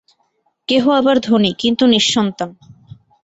কেহ আবার ধনী, কিন্তু নিঃসন্তান।